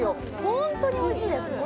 本当においしいです。